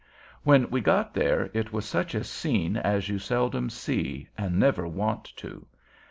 When we got there, it was such a scene as you seldom see, and never want to.